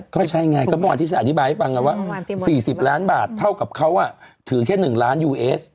ก็ใช่ไงก็มองอธิษฐาอธิบายให้ฟังว่า๔๐ล้านบาทเท่ากับเขาถือแค่๑ล้านยูเอส